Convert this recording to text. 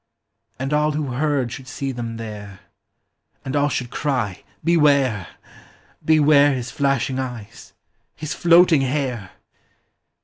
And all who heard should see them there, And all should cry, Beware ! beware His flashing eyes, his floating hair!